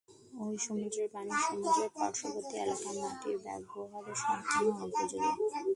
ঐ সমুদ্রের পানি ও সমুদ্রের পার্শ্ববর্তী এলাকার মাটি ব্যবহারের সম্পূর্ণ অনুপযোগী।